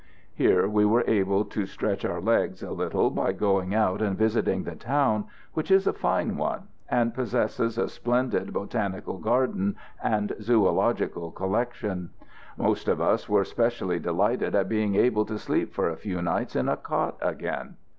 Here we were able to stretch our legs a little by going out and visiting the town, which is a fine one, and possesses a splendid Botanical Garden and zoological collection. Most of us were specially delighted at being able to sleep for a few nights in a cot again.